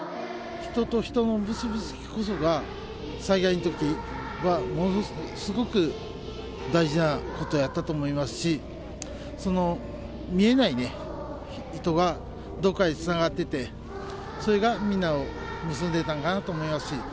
人と人の結び付きこそが、災害のときはものすごく大事なことやったと思いますし、その見えないね、糸がどこかでつながってて、それがみんなを結んでたんかなと思いますし。